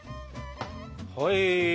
はい。